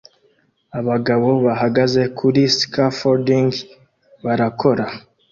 Abagabo bahagaze kuri scafolding barakora